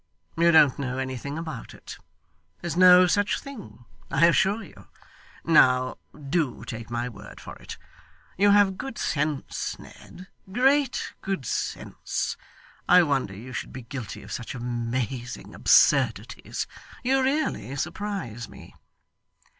You don't know anything about it. There's no such thing, I assure you. Now, do take my word for it. You have good sense, Ned, great good sense. I wonder you should be guilty of such amazing absurdities. You really surprise me.